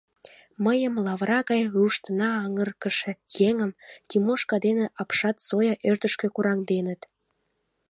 Мыйым, лавыра гай руштын аҥыргыше еҥым, Тимошка дене апшат Зоя ӧрдыжкӧ кораҥденыт.